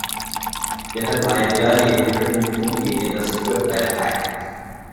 Der Verteidiger legte Berufung gegen das Urteil ein.